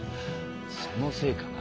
そのせいかな。